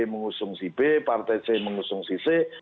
mengusung si b partai c mengusung si c